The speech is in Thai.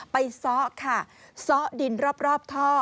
ไปซ้อดินรอบท่อ